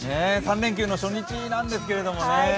３連休の初日なんですけれどもね。